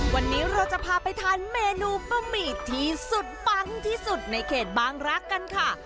วันนี้เราจะพาไปทานเมนูบะหมี่ที่สุดปังที่สุดในเขตบางรักกันค่ะ